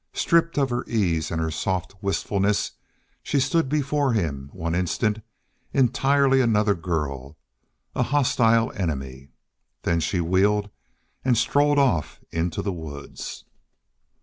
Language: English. Stripped of her ease and her soft wistfulness, she stood before him one instant, entirely another girl, a hostile enemy. Then she wheeled and strode off into the woods.